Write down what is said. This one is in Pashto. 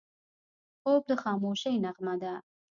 خوب د خاموشۍ نغمه ده